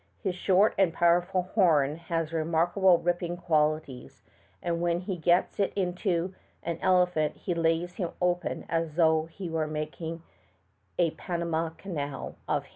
His short and powerful horn has remarkable ripping qualities and when he gets it into an elephant he lays him open as though he were making a Panama canal of him.